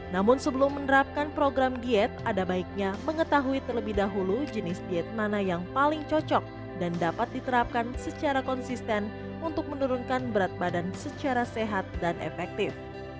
namun sebelum menerapkan program diet ada baiknya mengetahui terlebih dahulu jenis diet mana yang paling cocok dan dapat diterapkan secara konsisten untuk menurunkan berat badan secara sehat dan efektif